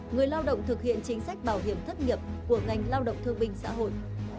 người lao động thực hiện chính sách bảo hiểm thất nghiệp của ngành lao động thương binh xã hội